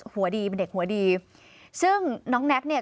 หัวดีเป็นเด็กหัวดีซึ่งน้องแน็กเนี่ย